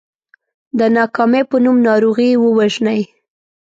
د ناکامۍ په نوم ناروغي ووژنئ .